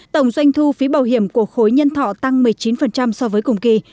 tổng doanh thu phí bảo hiểm của khối nhân thọ tăng một mươi chín so với cùng kỳ